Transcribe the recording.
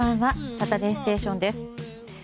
「サタデーステーション」です。